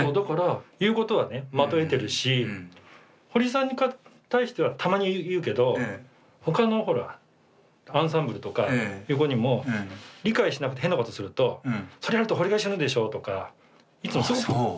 言うことはね的を得てるしホリさんに対してはたまに言うけど他のほらアンサンブルとか横にも理解しなくて変なことすると「それやるとホリが死ぬでしょ」とかいつもそう言ってた。